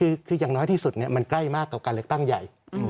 คืออย่างน้อยที่สุดมันใกล้มากกับการเลือกตั้งใหญ่